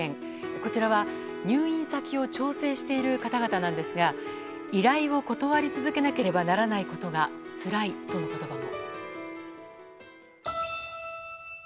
こちらは、入院先を調整している方々なんですが依頼を断り続けなければならないことがつらいとの言葉も。